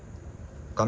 画面